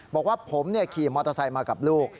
บอกว่าผมขี่มอเตอร์ไซค์มากับลูก